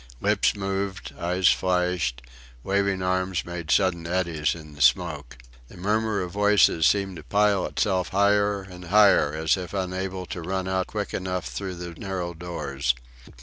Lips moved, eyes flashed, waving arms made sudden eddies in the smoke. The murmur of voices seemed to pile itself higher and higher as if unable to run out quick enough through the narrow doors.